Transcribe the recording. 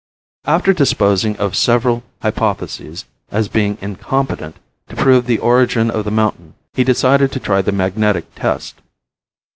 After disposing of several hypotheses as being incompetent to prove the origin of the mountain he decided to try the magnetic test.